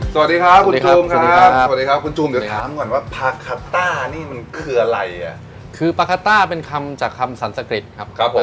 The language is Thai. สวัสดีครับปราคาต้านี้มันคืออะไรเลยคือประคาต่อเป็นคำจากคำสันทสกฤดครับครับว่า